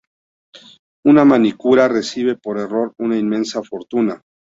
Una manicura recibe por error una inmensa fortuna.